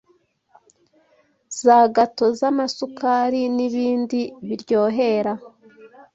Za gato z’amasukari, n’ibindi biryohera